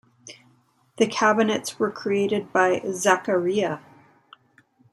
The cabinets were created by Zaccaria.